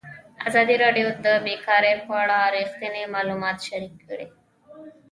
ازادي راډیو د بیکاري په اړه رښتیني معلومات شریک کړي.